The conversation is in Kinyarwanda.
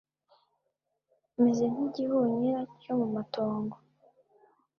meze nk'igihunyira cyo mu matongo